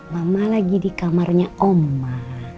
mama lagi di kamarnya oma